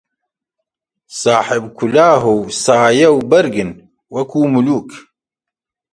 ساحێب کولاهـ و سایە و بەرگن وەکوو مولووک